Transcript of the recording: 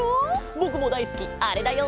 ぼくもだいすきあれだよ。